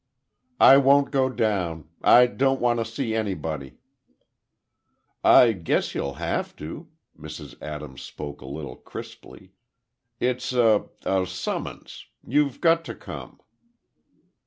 "I won't go down. I don't want to see anybody." "I guess you'll have to." Mrs. Adams spoke a little crisply. "It's a—a summons. You've got to come."